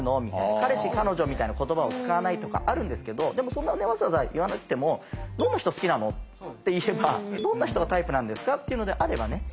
彼氏彼女みたいな言葉を使わないとかあるんですけどでもそんなわざわざ言わなくても「どんな人好きなの？」って言えば「どんな人がタイプなんですか？」っていうのであればね